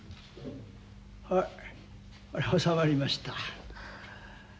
あ収まりました。